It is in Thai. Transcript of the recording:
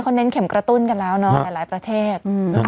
เขาเน้นเข็มกระตุ้นกันแล้วเนาะหลายประเทศ